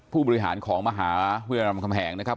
ผู้บริหารของมหาวิทยาลำคำแหงนะครับ